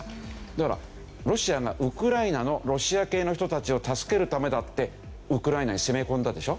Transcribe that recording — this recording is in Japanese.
だからロシアがウクライナのロシア系の人たちを助けるためだってウクライナに攻め込んだでしょ。